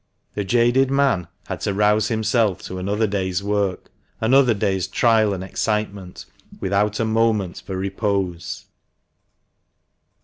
The jaded man had to rouse himself to another day's work, another day's trial and excitement, without a moment for repose.